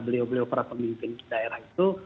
beliau beliau para pemimpin daerah itu